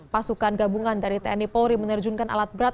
pasukan gabungan dari tni polri menerjunkan alat berat